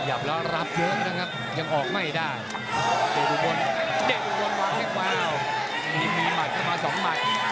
ก็ไปปล่อยให้ออกได้เยื่อนมันได้ใจไง